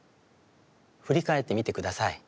振り返ってみて下さい。